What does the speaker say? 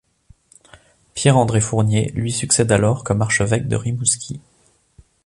Pierre-André Fournier lui succède alors comme archevêque de Rimouski.